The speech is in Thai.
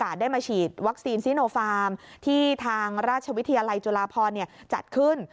แต่พอมาได้คิวของทางราชวิทยาลัยจุฬาพรก่อน